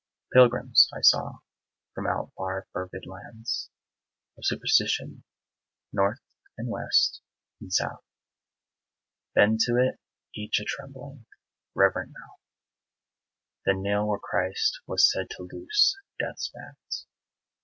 Pilgrims, I saw, from out far fervid lands Of superstition, North and West and South, Bend to it each a trembling, reverent mouth, Then kneel where Christ was said to loose Death's bands.